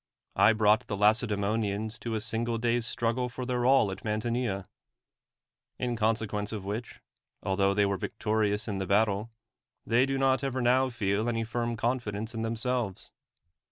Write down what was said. I brought the LacediLmionians to a single day's struggle for their all at ^Nlantinea ; in consequence of which, altho they were victorious in the battle, they do not ever now feel any firm confidence in them selves.